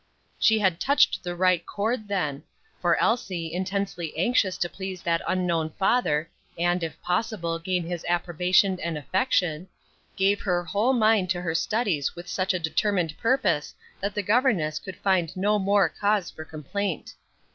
She had touched the right chord then; for Elsie, intensely anxious to please that unknown father, and, if possible, gain his approbation and affection, gave her whole mind to her studies with such a determined purpose that the governess could find no more cause for complaint.